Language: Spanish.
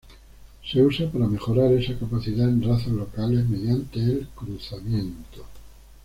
Se usa para mejorar esa capacidad en razas locales mediante el cruzamiento.